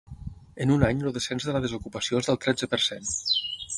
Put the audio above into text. En un any el descens de la desocupació és del tretze per cent.